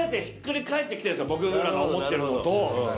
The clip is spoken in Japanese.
僕らが思ってるのと。